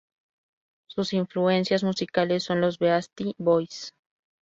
Sus influencias musicales son los Beastie Boys.